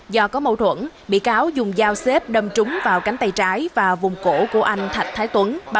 do có mâu thuẫn bị cáo dùng dao xếp đâm trúng vào cánh tay trái và vùng cổ của anh thạch thái tuấn